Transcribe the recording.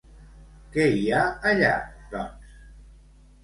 Qui hi ha allà, doncs?